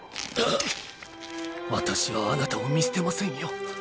私はあなたを見捨てませんよ